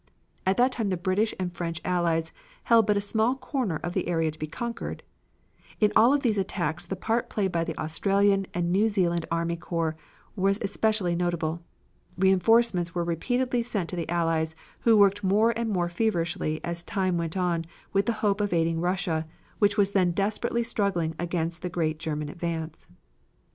At that time the British and French allies held but a small corner of the area to be conquered. In all of these attacks the part played by the Australian and New Zealand army corps was especially notable. Reinforcements were repeatedly sent to the Allies, who worked more and more feverishly as time went on with the hope of aiding Russia, which was then desperately struggling against the great German advance.